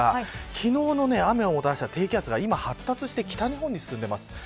昨日の雨をもたらした低気圧が発達して北日本に進んでいます。